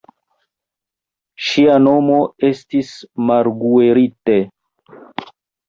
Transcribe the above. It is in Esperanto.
Ŝia nomo estis Marguerite.